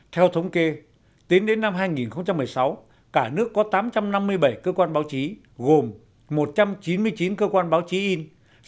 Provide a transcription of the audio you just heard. theo thống kê tính đến năm hai nghìn một mươi sáu cả nước có tám trăm năm mươi bảy cơ quan báo chí gồm một trăm chín mươi chín cơ quan báo chí in